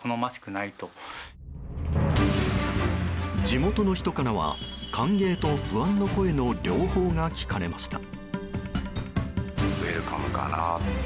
地元の人からは歓迎と不安の声の両方が聞かれました。